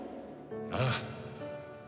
ああ。